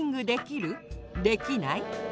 できない？